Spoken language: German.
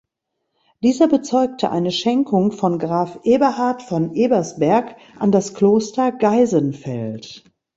Dieser bezeugte eine Schenkung von Graf Eberhard von Ebersberg an das Kloster Geisenfeld.